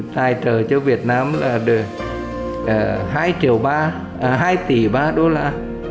tài trợ cho việt nam là hai triệu ba hai tỷ ba đô la